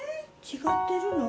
違ってるの？